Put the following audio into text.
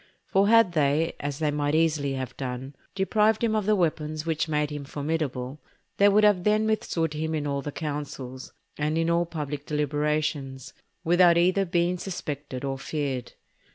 For had they, as they might easily have done, deprived him of the weapons which made him formidable, they could then have withstood him in all the councils, and in all public deliberations, without either being suspected or feared.